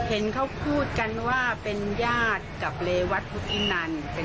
เห็นเขาพูดกันว่าเป็นญาติกับเรวัตพุทธินัน